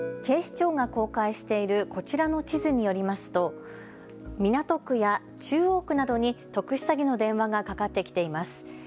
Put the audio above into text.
警視庁が公開しているこちらの地図によりますと港区や中央区などに特殊詐欺の電話がかかってきています。